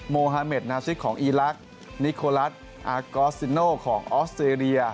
โมฮาเมดนาซิกของอีลักษณ์นิโคลัสอากอสซิโนของออสเตรเลีย